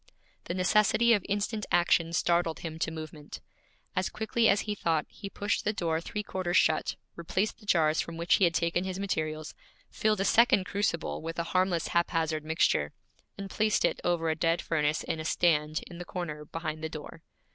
The necessity of instant action startled him to movement. As quickly as he thought, he pushed the door three quarters shut, replaced the jars from which he had taken his materials, filled a second crucible with a harmless haphazard mixture, and placed it over a dead furnace in a stand in the corner behind the door.